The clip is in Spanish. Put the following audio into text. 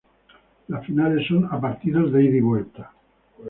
Las finales son a partidos de ida y vuelta.